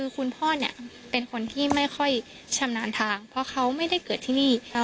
คุณพ่อเนี่ยเป็นคนที่ไม่ค่อยชำนาญทางเพราะเขาไม่ได้เกิดที่นี่